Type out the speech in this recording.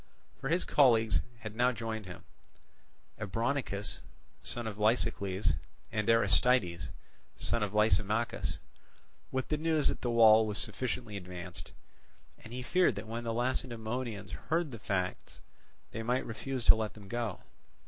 For his colleagues had now joined him, Abronichus, son of Lysicles, and Aristides, son of Lysimachus, with the news that the wall was sufficiently advanced; and he feared that when the Lacedaemonians heard the facts, they might refuse to let them go.